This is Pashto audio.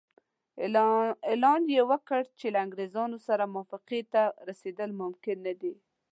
اعلان یې وکړ چې له انګریزانو سره موافقې ته رسېدل ممکن نه دي.